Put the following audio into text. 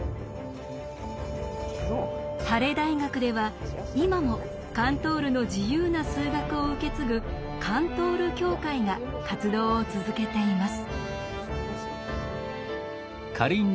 ハレ大学では今もカントールの自由な数学を受け継ぐ「カントール協会」が活動を続けています。